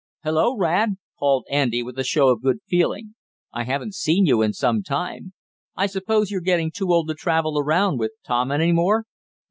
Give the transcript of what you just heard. "Hello, Rad!" called Andy with a show of good feeling. "I haven't seen you in some time. I suppose you're getting too old to travel around with Tom any more?"